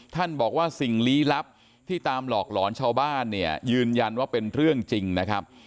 ท่านบอกว่าสิ่งลี้ลับที่ตามหลอกหลอนชาวบ้านเนี่ยยืนยันว่าเป็นเรื่องจริงนะครับ